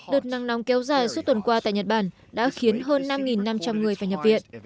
đợt nắng nóng kéo dài suốt tuần qua tại nhật bản đã khiến hơn năm năm trăm linh người phải nhập viện